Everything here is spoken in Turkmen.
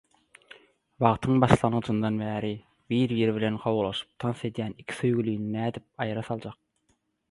Wagtyň başlangyjyndan bäri bir-biri bilen kowalaşyp tans edýän iki söýgülini nädip aýra saljak?